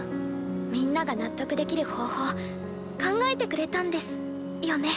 みんなが納得できる方法考えてくれたんですよね？